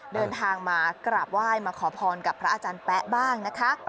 เดินทางมากราบไหว้มาขอพรกับพระอาจารย์แป๊ะบ้างนะคะ